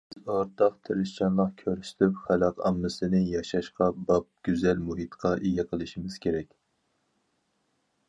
بىز ئورتاق تىرىشچانلىق كۆرسىتىپ، خەلق ئاممىسىنى ياشاشقا باب گۈزەل مۇھىتقا ئىگە قىلىشىمىز كېرەك.